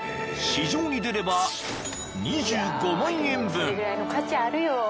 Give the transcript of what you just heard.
［市場に出れば２５万円分］